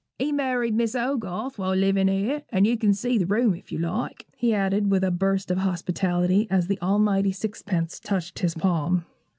'He married Miss Hogarth while livin' here; and you can see the room, if you like,' he added, with a burst of hospitality, as the almighty sixpence touched his palm.